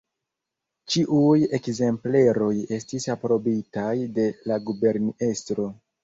Ĉiuj ekzempleroj estis aprobitaj de la guberniestro.